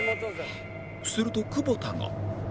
すると久保田が